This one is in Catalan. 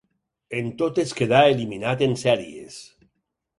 En totes quedà eliminat en sèries.